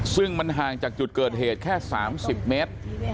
ซึ่งมันห่างจากจุดเกิดเหตุแค่๓๐เมตร